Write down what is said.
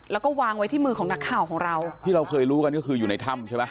แล้วก็วางไว้ที่มือของนักข่าวของเราที่เราเคยรู้กันก็คืออยู่ในถ้ำใช่ไหม